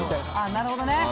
なるほどね！